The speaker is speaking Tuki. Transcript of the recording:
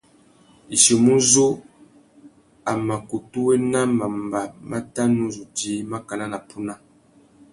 Ichimuzú, a mà kutu wena mamba má tà nu zu djï makana na puna.